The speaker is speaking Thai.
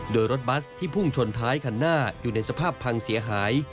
โดยรถบัสที่พุ่งชนท้ายคันหน้าอยู่ในสภาพพังเสียหาย